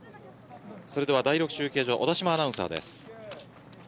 第６中継所小田島アナウンサーです。